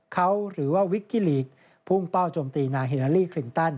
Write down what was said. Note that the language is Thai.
เขาหรือว่าวิกกี้ลีกพุ่งเป้าจมตีนางฮิลาลีคลินตัน